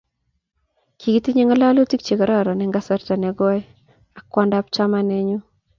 kikitinye ng'ololutik che kororon eng kasarta nekooi ak kwandab chamanenyu